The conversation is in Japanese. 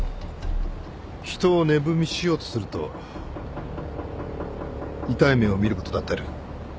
人を値踏みしようとすると痛い目を見ることだってある